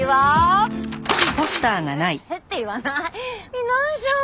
いないじゃん！